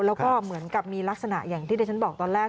แล้วก็เหมือนกับมีลักษณะอย่างที่ดิฉันบอกตอนแรก